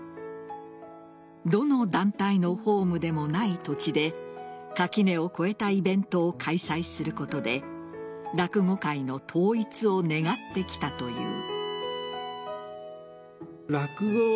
どの団体のホームでもない土地で垣根を越えたイベントを開催することで落語界の統一を願ってきたという。